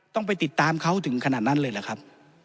ต้องไปติดตามเขาถึงขนาดนั้นเลยเหรอครับ